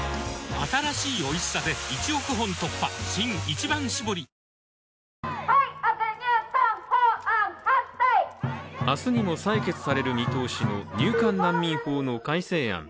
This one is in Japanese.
新「一番搾り」明日にも採決される見通しの入管難民法の改正案。